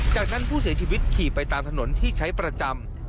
จากนั้นผู้เสียชีวิตขี่ไปตามถนนที่ใช้ประจำ